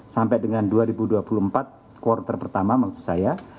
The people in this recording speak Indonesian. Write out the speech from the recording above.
sampai dengan dua ribu dua puluh empat quarter pertama maksud saya